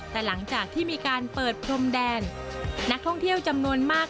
แต่หลังจากที่มีการเปิดพรมแดนนักท่องเที่ยวจำนวนมาก